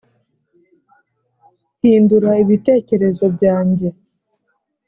hindura ibitekerezo byanjye ...